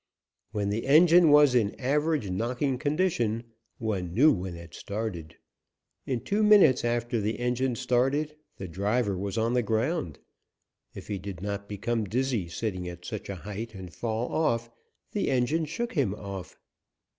When the engine was in average knocking condition, one knew when it started. In two minutes after the engine started the driver was on the ground; if he did not become dizzy, sitting at such a height, and fall off, the engine shook him off.